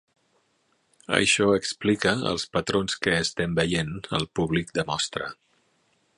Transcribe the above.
Això explica els patrons que estem veient al públic de mostra.